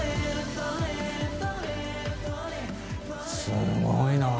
’すごいな。